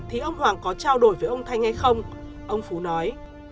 thì ông hoàng có trao đổi với ông thanh hay không ông phú nói